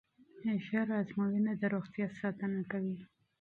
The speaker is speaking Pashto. ژر ازموینه د روغتیا ساتنه کوي.